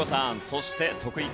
そして得意